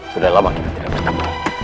sudah lama kita tidak bertambah